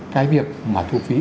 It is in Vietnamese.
cái việc mà thu phí